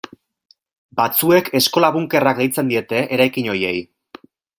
Batzuek eskola-bunkerrak deitzen diete eraikin horiei.